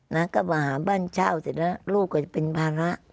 นะก็มาหาบ้านเช่าเสร็จแล้วลูกก็จะเป็นภาระ